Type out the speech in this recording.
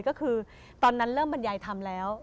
ก็คือตอนนั้นเริ่มบรรยายธรรมแล้ว